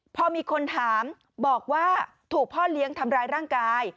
พอมีคนถามบอกว่าถูกพ่อเลี้ยงทำร้ายร่างกาย